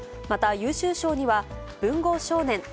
また優秀賞には、文豪少年！